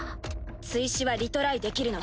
追試はリトライできるの。